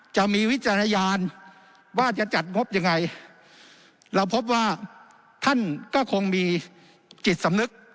วิจารณญาณว่าจะจัดงบยังไงเราพบว่าท่านก็คงมีจิตสำนึก